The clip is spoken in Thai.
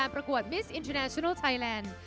ประกวดมิสอินเทอร์แนชันัลไทยแลนด์